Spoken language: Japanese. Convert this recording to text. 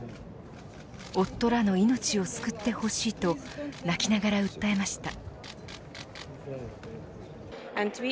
夫らの命を救ってほしいと泣きながら訴えました。